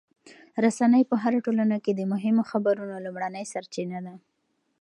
رسنۍ په هره ټولنه کې د مهمو خبرونو لومړنۍ سرچینه ده.